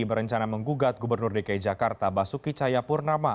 berencana menggugat gubernur dki jakarta basuki cahayapurnama